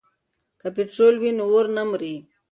که پټرول وي نو اور نه مري.